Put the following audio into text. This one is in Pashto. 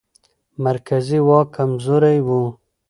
مرکزي واک کمزوری و.